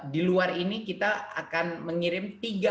di luar ini kita akan mengirim tiga